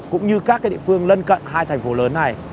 cũng như các địa phương lân cận hai thành phố lớn này